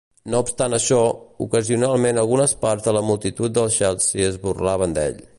No obstant això, ocasionalment algunes parts de la multitud del Chelsea es burlaven d'ell.